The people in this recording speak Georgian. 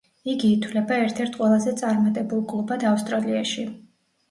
იგი ითვლება ერთ-ერთ ყველაზე წარმატებულ კლუბად ავსტრალიაში.